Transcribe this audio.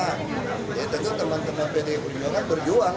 jadi tentu teman teman pdi perjuangan berjuang